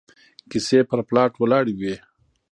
کيسې پر پلاټ ولاړې وي